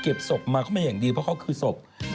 ศพมาเข้ามาอย่างดีเพราะเขาคือศพ